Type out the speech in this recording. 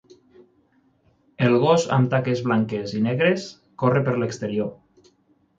El gos amb taques blanques i negres corre per l'exterior.